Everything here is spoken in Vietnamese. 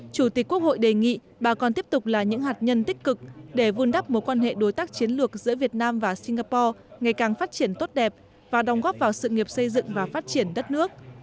chủ tịch quốc hội đề nghị bà con tiếp tục là những hạt nhân tích cực để vun đắp mối quan hệ đối tác chiến lược giữa việt nam và singapore ngày càng phát triển tốt đẹp và đồng góp vào sự nghiệp xây dựng và phát triển đất nước